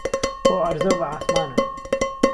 بەو عەرزە و بە عاسمانە